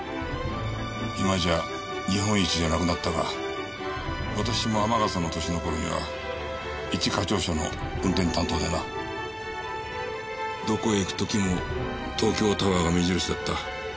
今じゃ日本一じゃなくなったが私も天笠の歳の頃には一課長車の運転担当でなどこへ行く時も東京タワーが目印だった。